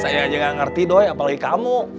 saya aja nggak ngerti doi apalagi kamu